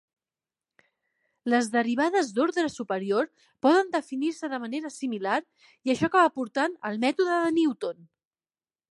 Les derivades d'ordre superior poden definir-se de manera similar i això acaba portant al mètode de Newton.